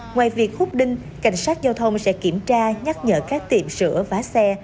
ngoài việc hút đinh cảnh sát giao thông sẽ kiểm tra nhắc nhở các tiệm sửa vá xe